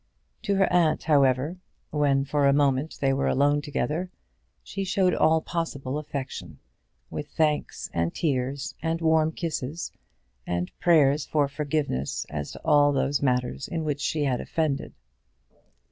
To her aunt, however, when for a moment they were alone together, she showed all possible affection, with thanks and tears, and warm kisses, and prayers for forgiveness as to all those matters in which she had offended.